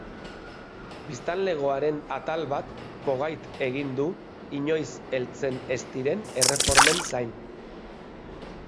Biztanlegoaren atal bat gogait egin du inoiz heltzen ez diren erreformen zain.